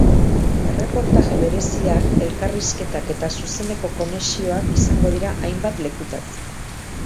Erreportaje bereziak, elkarrizketak eta zuzeneko konexioak izango dira hainbat lekutatik.